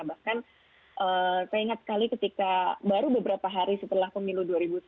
bahkan saya ingat sekali ketika baru beberapa hari setelah pemilu dua ribu sembilan belas